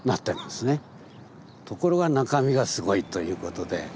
ところが中身がすごいということで。